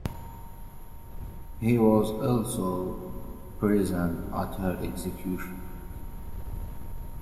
He was also present at her execution.